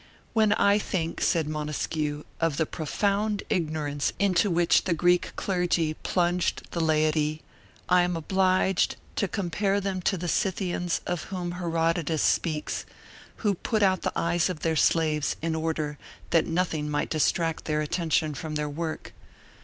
"When I think," said Montesquieu, "of the profound ignorance into which the Greek clergy plunged the laity, I am obliged to compare them to the Scythians of whom Herodotus speaks, who put out the eyes of their slaves in order that nothing might distract their attention from their work.